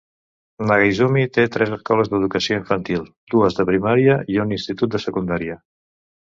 Nagaizumi té tres escoles d'educació infantil, dues de primària i un institut de secundària.